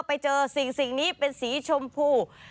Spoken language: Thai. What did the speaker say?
ไปเจอสิ่งนี้เป็นสีชมพู